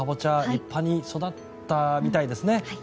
立派に育ったみたいですね。